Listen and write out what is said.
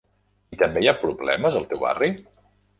I també hi ha problemes al teu barri?